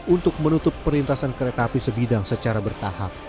untuk menutup perlintasan kereta api sebidang secara bertahap